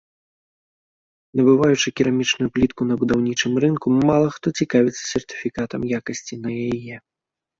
Набываючы керамічную плітку на будаўнічым рынку, мала хто цікавіцца сертыфікатам якасці на яе.